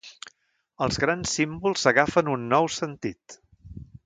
Els grans símbols agafen un nou sentit.